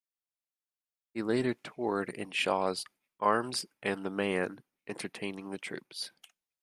He later toured in Shaw's "Arms and the Man", entertaining the troops.